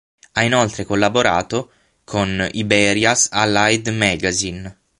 Ha inoltre collaborato con Iberia's Allied Magazine.